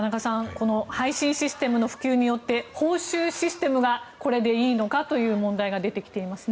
この配信システムの普及によって報酬システムがこれでいいのかという問題が出てきていますね。